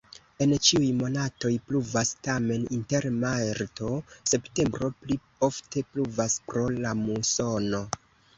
En ĉiuj monatoj pluvas, tamen inter marto-septembro pli ofte pluvas pro la musono.